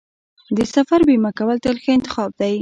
د سفر بیمه کول تل ښه انتخاب دی.